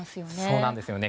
そうなんですよね。